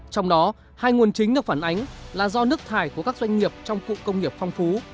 trong đó hai nguồn chính được phản ánh là do nước thải của các doanh nghiệp trong cụ công nghiệp phong phú